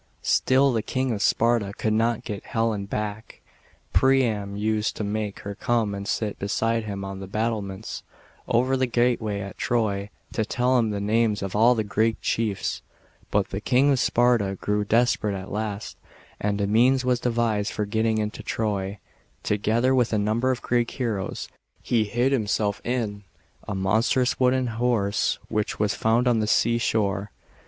Still the King of Sparta could not get Helen back. Priam used to make her come and sit beside him on the battlements, over the gateway at Troy, to tell him the names of all the Greek chiefs. Bu 4 * the King of Sparta grew desperate at last, and a means was devised for p'ettiiur into Trov. s r > O Together with a number of Greek heroes, he hid Iftmself iiu a monstrous wooden horse which was found on the sea shore.